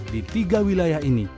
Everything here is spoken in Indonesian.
di tiga wilayah ini